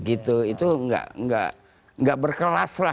itu nggak berkelas lah